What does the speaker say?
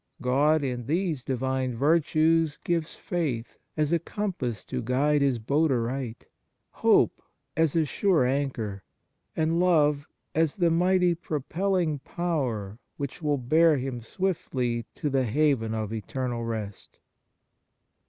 God in these Divine virtues gives faith as a compass to guide his boat aright, hope as a sure anchor, and love as the mighty propelling, power which will bear him swiftly to the haven of eternal rest.